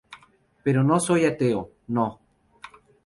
Pero no soy ateo, no.